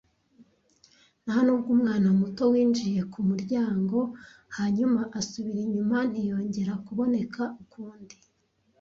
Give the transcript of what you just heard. Ntanubwo umwana muto winjiye kumuryango, hanyuma asubira inyuma ntiyongera kuboneka ukundi,